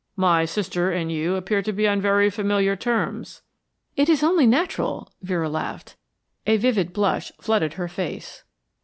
"My sister and you appear to be on very familiar terms " "It is only natural," Vera laughed. A vivid blush flooded her face.